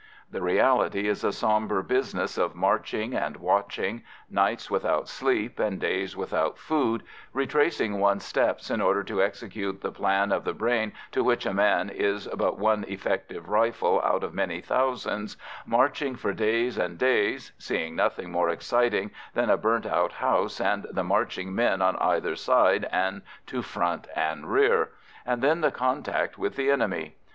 The reality is a sombre business of marching and watching, nights without sleep and days without food; retracing one's steps in order to execute the plan of the brain to which a man is but one effective rifle out of many thousands, marching for days and days, seeing nothing more exciting than a burnt out house and the marching men on either side and to front and rear and then the contact with the enemy.